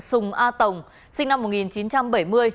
sùng a tổng sinh năm một nghìn chín trăm bảy mươi